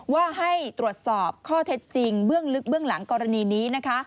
ว่าให้ตรวจสอบข้อเท็จจริงเบื้องลึกเบื้องหลังกรณีนี้นะคะ